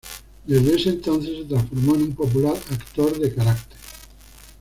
Desde ese entonces se transformó en un popular "actor de carácter".